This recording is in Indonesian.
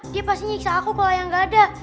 dia pasti nyiksa aku kalau yang gak ada